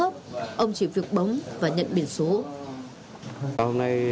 ông chịu việc bóng và nhận biển số